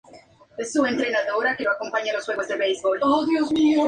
Estas primeras incursiones desde una base en Egipto se produjeron bajo la iniciativa local.